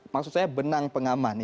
maksud saya benang pengaman